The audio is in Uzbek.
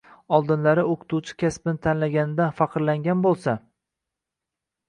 Oldinlari o‘qituvchi kasbini tanlaganidan faxrlangan bo‘lsa